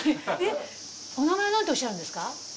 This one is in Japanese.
お名前何とおっしゃるんですか？